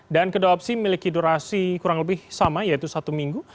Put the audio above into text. dan kedua opsi memiliki durasi kurang lebih sama yaitu satu minggu